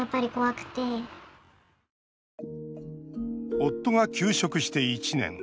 夫が休職して１年。